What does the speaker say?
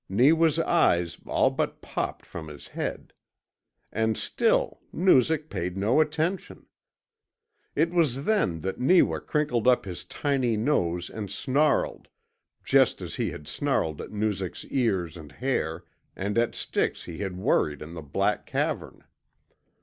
Neewa's eyes all but popped from his head. And STILL Noozak PAID NO ATTENTION! It was then that Neewa crinkled up his tiny nose and snarled, just as he had snarled at Noozak's ears and hair and at sticks he had worried in the black cavern.